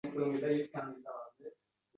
Bosh qomusimiz jamiyat tayanchi